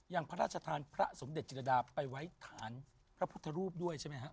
พระราชทานพระสมเด็จจิรดาไปไว้ฐานพระพุทธรูปด้วยใช่ไหมฮะ